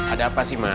ada apa sih ma